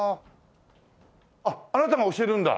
あなたが教えるんだ？